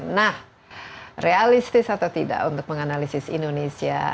nah realistis atau tidak untuk menganalisis indonesia